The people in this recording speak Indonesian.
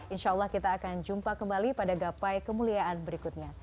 insya allah kita akan jumpa kembali pada gapai kemuliaan berikutnya